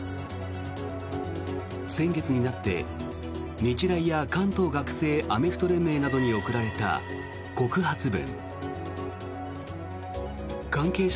先月になって、日大や関東学生アメフト連盟などに送られた告発文。